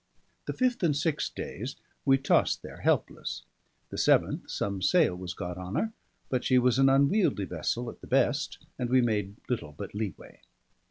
The fifth and sixth days we tossed there helpless. The seventh some sail was got on her, but she was an unwieldy vessel at the best, and we made little but leeway.